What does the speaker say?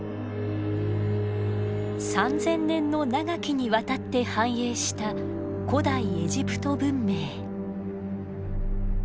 ３，０００年の長きにわたって繁栄した古代エジプト文明。